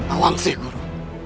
awang sih guru